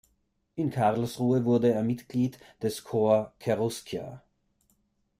In Karlsruhe wurde er Mitglied des Corps Cheruskia.